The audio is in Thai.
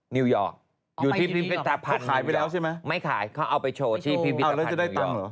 นิวยอร์กอยู่ที่พิพิธภัณฑ์ไม่ขายเขาเอาไปโชว์ที่พิพิธภัณฑ์นิวยอร์ก